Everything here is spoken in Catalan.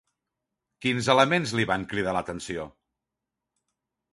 Quins elements li van cridar l'atenció?